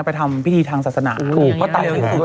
ไปทำพิธีทางศาสนา